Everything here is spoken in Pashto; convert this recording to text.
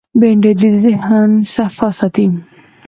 بېنډۍ د ذهن صفا ساتي